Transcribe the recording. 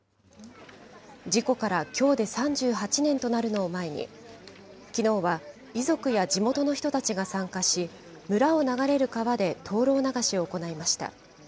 事故からきょうで３８年となるのを前に、きのうは、遺族や地元の人たちが参加し、村を流れる川で灯籠流しを行いました。